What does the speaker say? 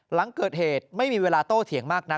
หลังเกิดเหตุไม่มีเวลาโตเถียงมากนัก